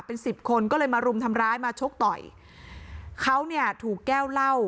เป็นสิบคนก็เลยมารุมทำร้ายมาชกต่อยเขาเนี่ยถูกแก้วเหล้า